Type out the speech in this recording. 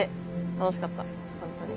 楽しかった本当に。